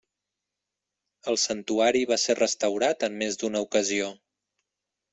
El santuari va ser restaurat en més d'una ocasió.